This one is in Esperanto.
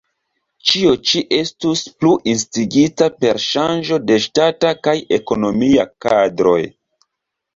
Ĉio ĉi estus plu instigita per ŝanĝo de ŝtata kaj ekonomia kadroj.